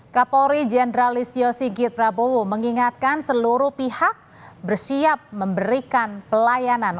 kapolri jendralist yosigit prabowo mengingatkan seluruh pihak bersiap memberikan pelayanan